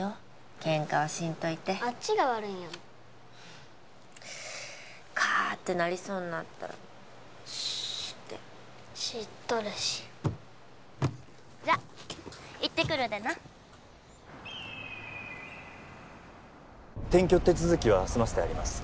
ケンカはしんといてあっちが悪いんやもんカーッてなりそうになったらスーッて知っとるしじゃ行ってくるでな転居手続きは済ませてあります